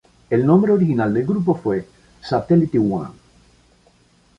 El nombre original del grupo fue "Satellite One".